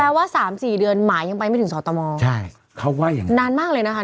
แปลว่า๓๔เดือนหมายังไปไม่ถึงสตมใช่เข้าไหว้อย่างนั้นนานมากเลยนะคะ